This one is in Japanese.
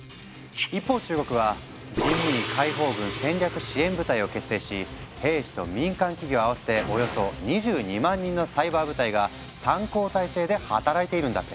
一方中国は「人民解放軍戦略支援部隊」を結成し兵士と民間企業合わせておよそ２２万人のサイバー部隊が３交代制で働いているんだって。